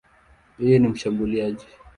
Yeye ni mshambuliaji.